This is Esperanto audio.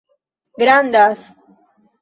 grandas